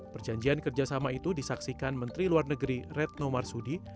perjanjian kerjasama itu disaksikan menteri luar negeri retno marsudi